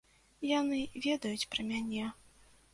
Яны ведаюць пра мяне.